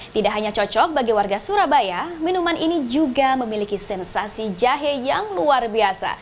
tidak hanya cocok bagi warga surabaya minuman ini juga memiliki sensasi jahe yang luar biasa